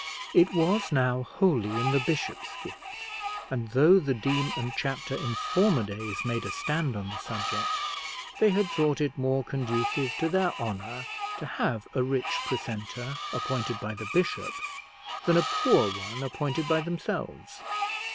It was now wholly in the bishop's gift, and though the dean and chapter, in former days, made a stand on the subject, they had thought it more conducive to their honour to have a rich precentor appointed by the bishop, than a poor one appointed by themselves.